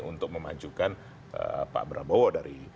untuk memajukan pak prabowo dari